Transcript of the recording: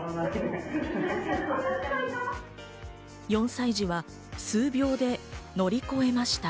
４歳児は数秒で乗り越えました。